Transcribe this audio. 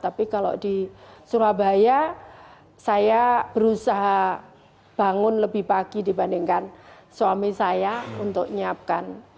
tapi kalau di surabaya saya berusaha bangun lebih pagi dibandingkan suami saya untuk nyiapkan